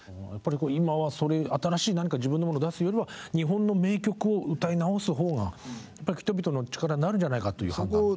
やっぱり今は新しい何か自分のものを出すよりは日本の名曲を歌い直す方が人々の力になるんじゃないかという判断。